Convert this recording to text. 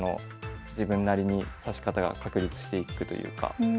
自分なりに指し方が確立していくというか。